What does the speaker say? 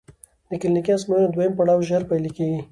د کلینیکي ازموینو دویم پړاو ژر پیل کېږي.